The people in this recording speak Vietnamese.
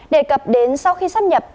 đề cập đến sau khi xâm nhập